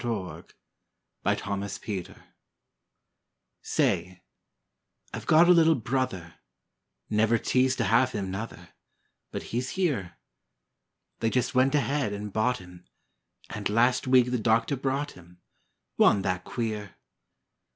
HIS NEW BROTHER Say, I've got a little brother, Never teased to have him, nuther, But he's here; They just went ahead and bought him, And, last week the doctor brought him, Wa'n't that queer?